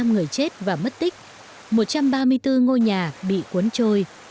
một mươi năm người chết và mất tích một trăm ba mươi bốn ngôi nhà bị cuốn trôi